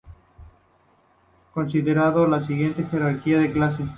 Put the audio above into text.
Considerando la siguiente jerarquía de clase.